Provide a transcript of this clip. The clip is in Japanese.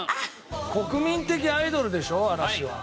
国民的アイドルでしょ？嵐は。